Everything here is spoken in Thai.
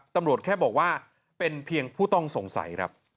ตำรวจแค่บอกว่าเป็นเพียงผู้ต้องสงสัยครับ